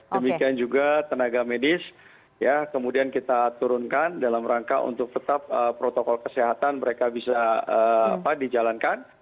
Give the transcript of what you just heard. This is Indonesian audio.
demikian juga tenaga medis ya kemudian kita turunkan dalam rangka untuk tetap protokol kesehatan mereka bisa dijalankan